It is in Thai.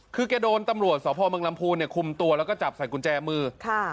คือแกโดนตำรวจสพเมืองลำพูนเนี่ยคุมตัวแล้วก็จับใส่กุญแจมือค่ะ